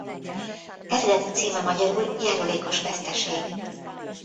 Eredeti címe magyarul Járulékos veszteség.